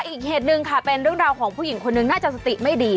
อีกเหตุหนึ่งค่ะเป็นเรื่องราวของผู้หญิงคนหนึ่งน่าจะสติไม่ดี